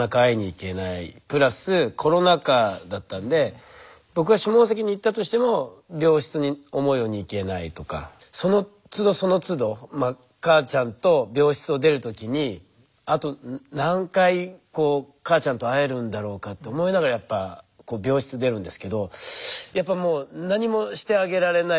プラスコロナ禍だったんで僕が下関に行ったとしても病室に思うように行けないとかそのつどそのつどまあ母ちゃんと病室を出る時にあと何回母ちゃんと会えるんだろうかと思いながらやっぱ病室出るんですけどやっぱもう何もしてあげられない。